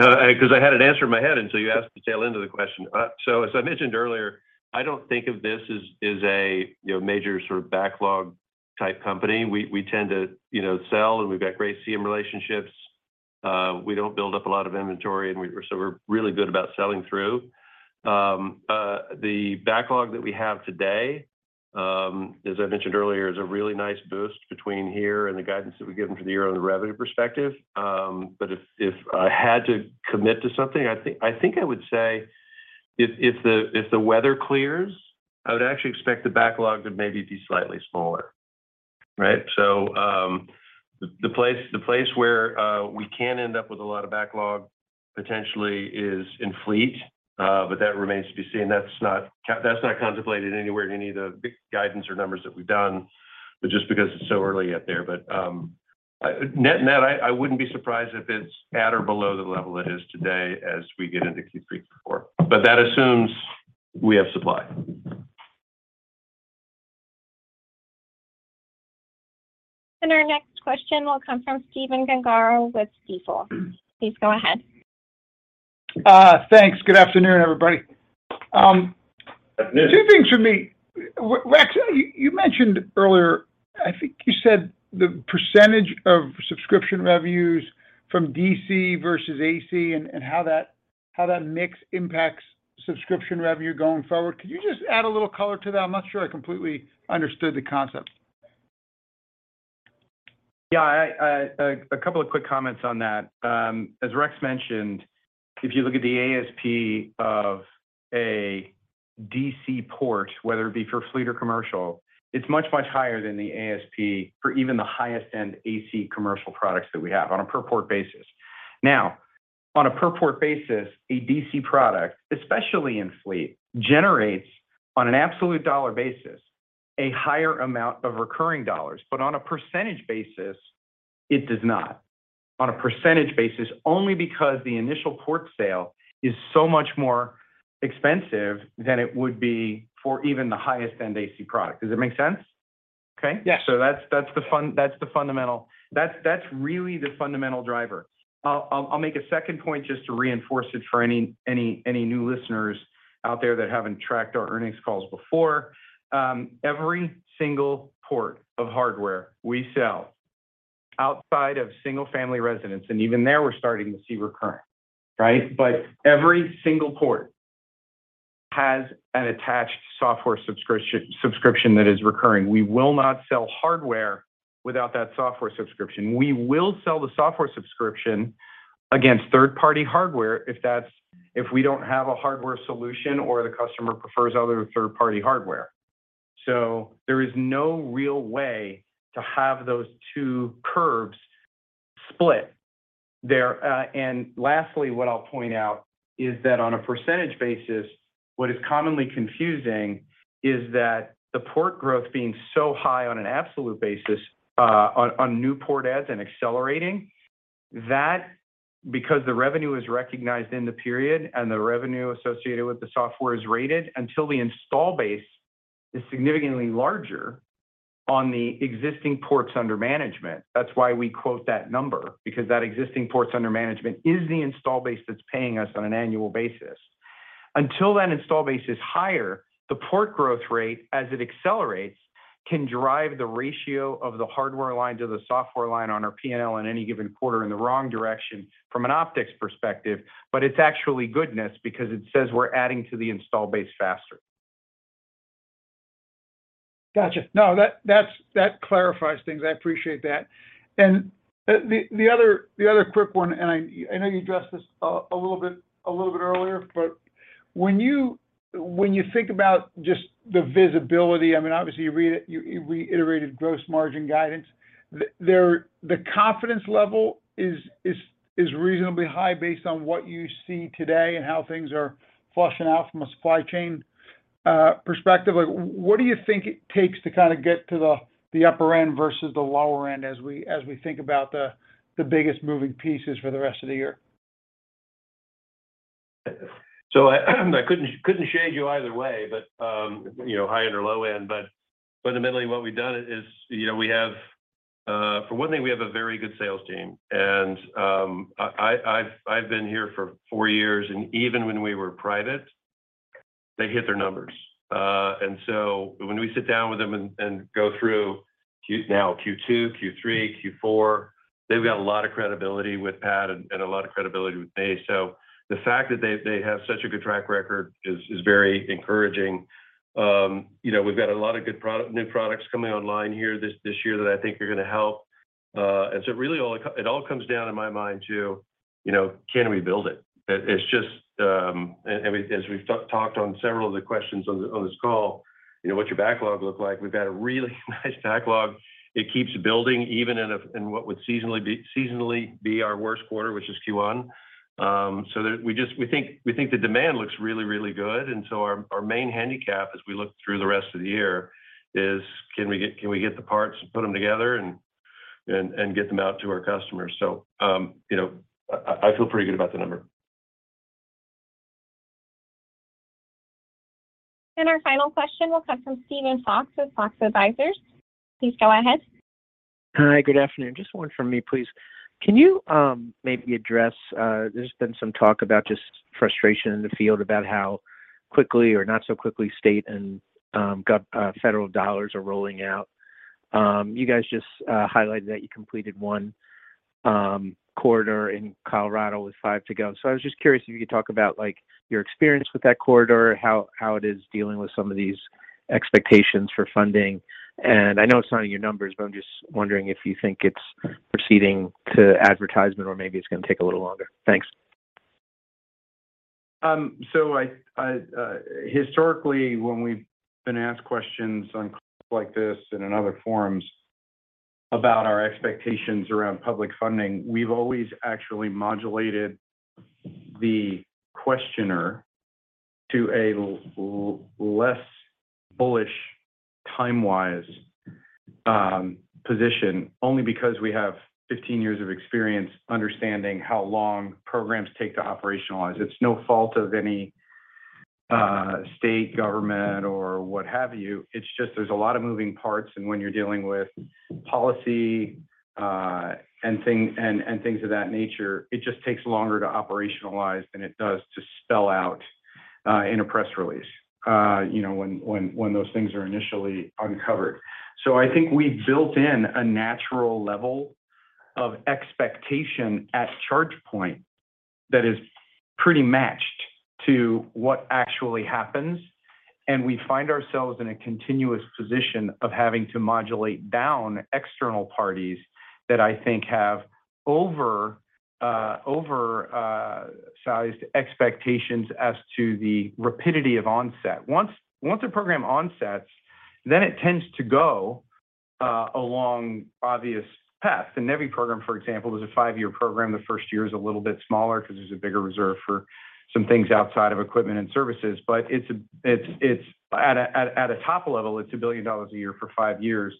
'Cause I had an answer in my head until you asked the tail end of the question. As I mentioned earlier, I don't think of this as a you know, major sort of backlog type company. We tend to, you know, sell, and we've got great CM relationships. We don't build up a lot of inventory, and so we're really good about selling through. The backlog that we have today, as I mentioned earlier, is a really nice boost between here and the guidance that we've given for the year on the revenue perspective. If I had to commit to something, I think I would say if the weather clears, I would actually expect the backlog to maybe be slightly smaller, right? The place where we can end up with a lot of backlog potentially is in fleet, but that remains to be seen. That's not contemplated anywhere in any of the guidance or numbers that we've done, just because it's so early yet there. Net, I wouldn't be surprised if it's at or below the level it is today as we get into Q3 and Q4. That assumes we have supply.
Our next question will come from Stephen Gengaro with Stifel. Please go ahead.
Thanks. Good afternoon, everybody.
Afternoon
Two things from me. Rex, you mentioned earlier, I think you said the percentage of subscription revenues from DC versus AC and how that mix impacts subscription revenue going forward. Could you just add a little color to that? I'm not sure I completely understood the concept.
Yeah. A couple of quick comments on that. As Rex mentioned, if you look at the ASP of a DC port, whether it be for fleet or commercial, it's much, much higher than the ASP for even the highest end AC commercial products that we have on a per port basis. Now, on a per port basis, a DC product, especially in fleet, generates, on an absolute dollar basis, a higher amount of recurring dollars. But on a percentage basis, it does not. On a percentage basis, only because the initial port sale is so much more expensive than it would be for even the highest end AC product. Does it make sense? Okay?
Yes.
That's really the fundamental driver. I'll make a second point just to reinforce it for any new listeners out there that haven't tracked our earnings calls before. Every single port of hardware we sell outside of single-family residence, and even there we're starting to see recurring, right? Every single port has an attached software subscription that is recurring. We will not sell hardware without that software subscription. We will sell the software subscription against third-party hardware if we don't have a hardware solution or the customer prefers other third-party hardware. There is no real way to have those two curves split there. Last, what I'll point out is that on a percentage basis, what is commonly confusing is that the port growth being so high on an absolute basis, on new port adds and accelerating, that because the revenue is recognized in the period and the revenue associated with the software is ratable until the install base is significantly larger on the existing ports under management. That's why we quote that number, because that existing ports under management is the install base that's paying us on an annual basis. Until that install base is higher, the port growth rate, as it accelerates, can drive the ratio of the hardware line to the software line on our P&L in any given quarter in the wrong direction from an optics perspective, but it's actually goodness because it says we're adding to the install base faster.
Gotcha. No, that clarifies things. I appreciate that. The other quick one, I know you addressed this a little bit earlier, but when you think about just the visibility, I mean, obviously, you reiterated gross margin guidance. The confidence level is reasonably high based on what you see today and how things are flushing out from a supply chain perspective. Like, what do you think it takes to kinda get to the upper end versus the lower end as we think about the biggest moving pieces for the rest of the year?
I couldn't shade you either way, but you know, high end or low end. Fundamentally what we've done is, you know, we have for one thing a very good sales team and I've been here for four years, and even when we were private, they hit their numbers. When we sit down with them and go through Q2, Q3, Q4, they've got a lot of credibility with Pat and a lot of credibility with me. The fact that they have such a good track record is very encouraging. You know, we've got a lot of good new products coming online here this year that I think are gonna help. It all comes down in my mind to, you know, can we build it? It's just, and as we've talked on several of the questions on this call, you know, what's your backlog look like? We've got a really nice backlog. It keeps building even in what would seasonally be our worst quarter, which is Q1. We think the demand looks really, really good. Our main handicap as we look through the rest of the year is can we get the parts and put them together and get them out to our customers? You know, I feel pretty good about the number.
Our final question will come from Steven Fox with Fox Advisors. Please go ahead.
Hi, good afternoon. Just one from me, please. Can you maybe address there's been some talk about just frustration in the field about how quickly or not so quickly state and federal dollars are rolling out. You guys just highlighted that you completed one corridor in Colorado with five to go. So I was just curious if you could talk about like your experience with that corridor, how it is dealing with some of these expectations for funding. I know it's not in your numbers, but I'm just wondering if you think it's proceeding to advertisement or maybe it's gonna take a little longer. Thanks.
Historically, when we've been asked questions on calls like this and in other forums about our expectations around public funding, we've always actually modulated the questioner to a less bullish time-wise position, only because we have 15 years of experience understanding how long programs take to operationalize. It's no fault of any state government or what have you. It's just there's a lot of moving parts, and when you're dealing with policy and things of that nature, it just takes longer to operationalize than it does to spell out in a press release, you know, when those things are initially uncovered. I think we've built in a natural level of expectation at ChargePoint that is pretty matched to what actually happens, and we find ourselves in a continuous position of having to modulate down external parties that I think have oversized expectations as to the rapidity of onset. Once a program onsets, it tends to go along obvious paths. The NEVI program, for example, is a five-year program. The first year is a little bit smaller 'cause there's a bigger reserve for some things outside of equipment and services. It's at a top level, it's $1 billion a year for five years,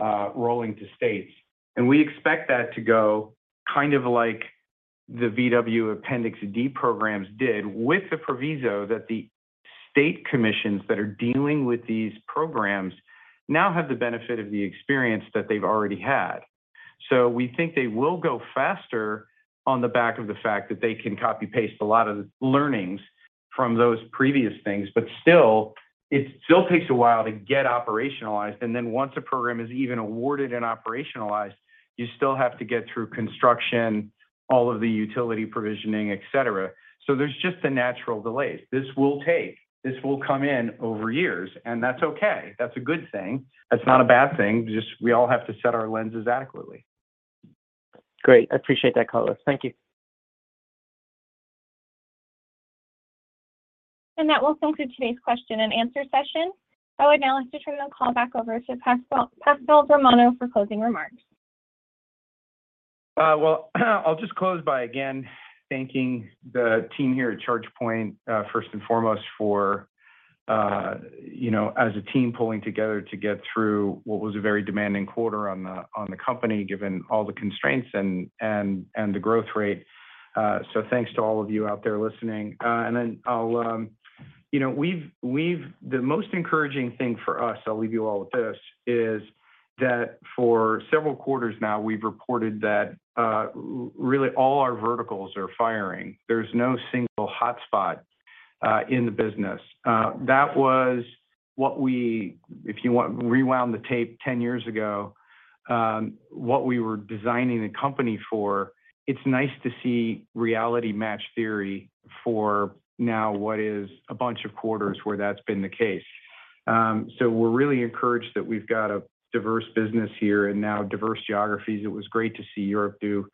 rolling to states. We expect that to go kind of like the VW Appendix D programs did with the proviso that the state commissions that are dealing with these programs now have the benefit of the experience that they've already had. We think they will go faster on the back of the fact that they can copy-paste a lot of the learnings from those previous things, but still, it takes a while to get operationalized. Then once a program is even awarded and operationalized, you still have to get through construction, all of the utility provisioning, etc. There's just the natural delays. This will take. This will come in over years, and that's okay. That's a good thing. That's not a bad thing. Just we all have to set our lenses adequately.
Great. I appreciate that color. Thank you.
That will conclude today's question and answer session. I would now like to turn the call back over to Pasquale Romano for closing remarks.
Well, I'll just close by again thanking the team here at ChargePoint, first and foremost for, you know, as a team pulling together to get through what was a very demanding quarter on the company, given all the constraints and the growth rate. Thanks to all of you out there listening. I'll You know, we've. The most encouraging thing for us, I'll leave you all with this, is that for several quarters now, we've reported that really all our verticals are firing. There's no single hotspot in the business. That was what we, if you want rewind the tape 10 years ago, what we were designing the company for. It's nice to see reality match theory for now what is a bunch of quarters where that's been the case. We're really encouraged that we've got a diverse business here and now diverse geographies. It was great to see Europe do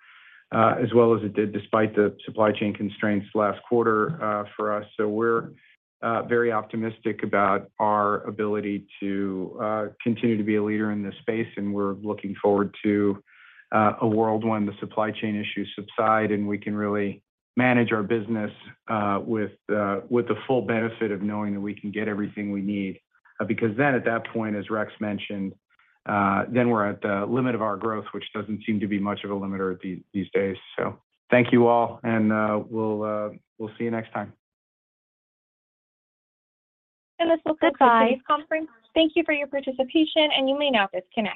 as well as it did despite the supply chain constraints last quarter for us. We're very optimistic about our ability to continue to be a leader in this space, and we're looking forward to a world when the supply chain issues subside and we can really manage our business with the full benefit of knowing that we can get everything we need. Because then at that point, as Rex mentioned, then we're at the limit of our growth, which doesn't seem to be much of a limiter these days. Thank you all, and we'll see you next time.
This will conclude. Goodbye today's conference. Thank you for your participation, and you may now disconnect.